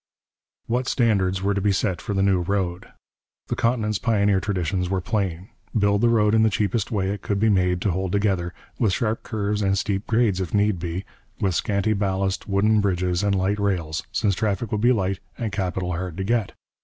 What standards were to be set for the new road? The continent's pioneer traditions were plain: build the road in the cheapest way it could be made to hold together, with sharp curves and steep grades if need be, with scanty ballast, wooden bridges, and light rails, since traffic would be light and capital hard to get.